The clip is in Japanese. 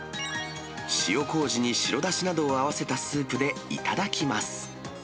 塩こうじに白だしを合わせたスープで頂きます。